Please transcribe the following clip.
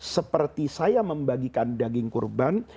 seperti saya membagikan daging kurban